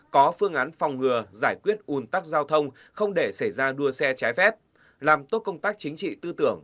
có phương án phòng ngừa giải quyết un tắc giao thông không để xảy ra đua xe trái phép làm tốt công tác chính trị tư tưởng